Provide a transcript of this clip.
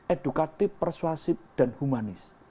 edukatif persuasif dan humanis